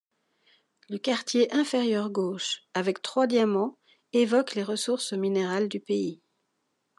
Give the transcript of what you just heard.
Le quartier inférieur gauche avec trois diamants évoque les ressources minérales du pays.